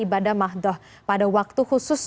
ibadah mahdoh pada waktu khusus